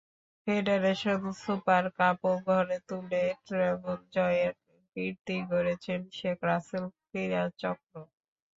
Federation Super কাপও ঘরে তুলে treble জয়ের কীর্তি গড়েছে শেখ রাসেল ক্রীড়াচক্র।